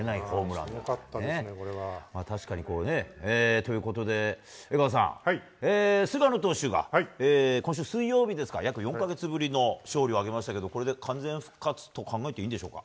ということで菅野投手が今週水曜日ですか約４か月ぶりの勝利を挙げましたけどこれで完全復活と考えていいんでしょうか？